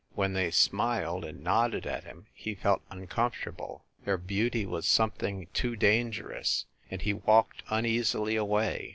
When they smiled and nodded at him he felt uncomfortable; their beauty was something too dangerous, and he walked uneasily away.